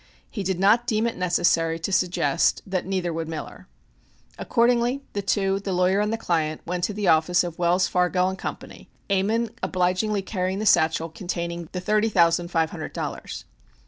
He did not deem it necessary to suggest that neither would Miller. Accordingly the two, the lawyer and the client, went to the office of Wells, Fargo & Co., Ammon obligingly carrying the satchel containing the thirty thousand five hundred dollars.